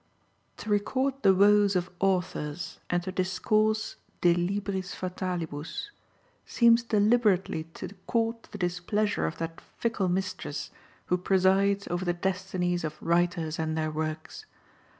To record the woes of authors and to discourse de libris fatalibus _seems deliberately to court the displeasure of that fickle mistress who presides over the destinies of writers and their works.